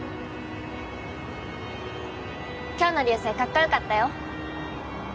今日の流星かっこよかったよ。